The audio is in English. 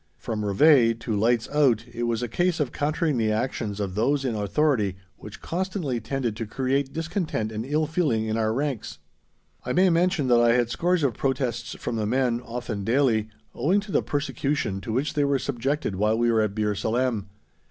From "reveille" to "lights out" it was a case of countering the actions of those in authority which constantly tended to create discontent and ill feeling in our ranks. I may mention that I had scores of protests from the men, often daily, owing to the persecution to which they were subjected while we were at Bir Salem.